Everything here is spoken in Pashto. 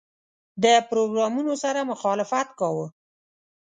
له پروګرامونو سره مخالفت کاوه.